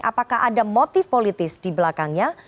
apakah ada motif politis di belakangnya